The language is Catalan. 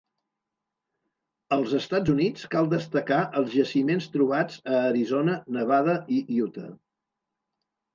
Als Estats Units cal destacar els jaciments trobats a Arizona, Nevada i Utah.